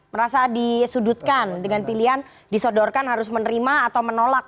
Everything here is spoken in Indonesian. merasa disudutkan dengan pilihan disodorkan harus menerima atau menolak